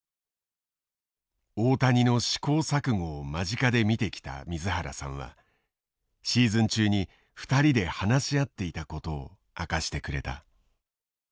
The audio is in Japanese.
大谷の試行錯誤を間近で見てきた水原さんはシーズン中に２人で話し合っていたことを明かしてくれた。